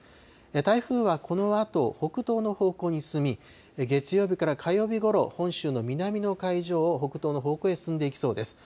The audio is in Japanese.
台風はこのあと、北東の方向に進み、月曜日から火曜日ごろ、本州の南の海上を北東の方向へ進んでいきそうです。